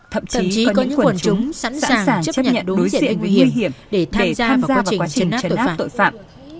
thậm chí có những quần chúng sẵn sàng chấp nhận đối diện nguy hiểm để tham gia vào quá trình trấn áp tội phạm